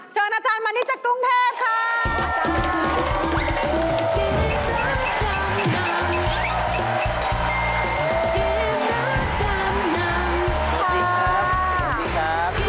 เชิญอาจารย์มานิดจากกรุงเทพค่ะ